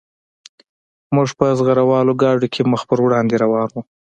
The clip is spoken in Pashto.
موږ په زغره والو ګاډو کې مخ په وړاندې روان وو